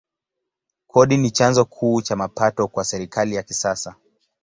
Kodi ni chanzo kuu cha mapato kwa serikali ya kisasa.